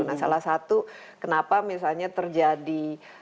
nah salah satu kenapa misalnya terjadi